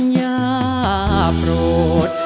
อย่าโปรด